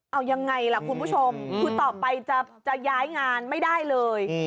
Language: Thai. เอายังไงล่ะคุณผู้ชมคือต่อไปจะย้ายงานไม่ได้เลย